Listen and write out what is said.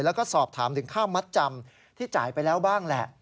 แล้วก็สอบถามถึงค่ามัดจำที่จ่ายไปแล้วบ้างแหละ